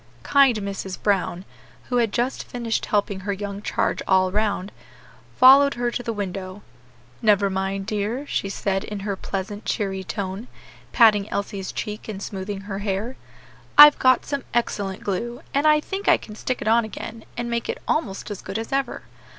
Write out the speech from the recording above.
Kind Mrs. Brown, who had just finished helping her young charge all round, followed her to the window, "Never mind, dear," she said in her pleasant, cheery tone, patting Elsie's cheek and smoothing her hair "I've got some excellent glue, and I think I can stick it on again and make it almost as good as ever.